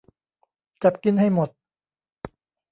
จับกินให้หมด